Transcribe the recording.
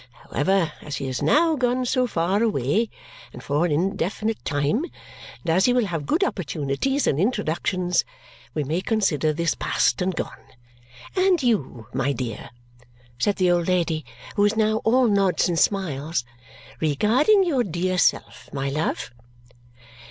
However, as he is now gone so far away and for an indefinite time, and as he will have good opportunities and introductions, we may consider this past and gone. And you, my dear," said the old lady, who was now all nods and smiles, "regarding your dear self, my love?"